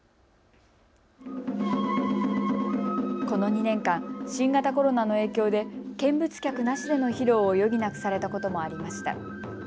この２年間、新型コロナの影響で見物客なしでの披露を余儀なくされたこともありました。